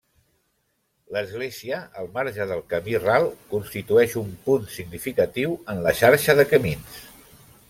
L'església, al marge del camí ral, constitueix un punt significatiu en la xarxa de camins.